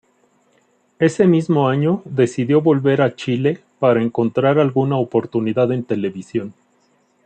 Ese mismo año decidió volver a Chile para encontrar alguna oportunidad en televisión.